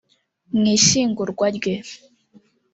Mu ishyingurwa rye